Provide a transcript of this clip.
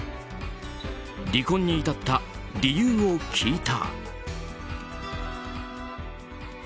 離婚に至った理由を聞いた。